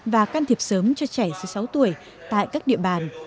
và can thiệp sớm cho trẻ dưới sáu tuổi tại các địa bàn